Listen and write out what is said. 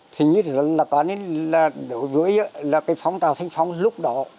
thì nghĩa là đối với là cái phong trào thanh phong lúc đó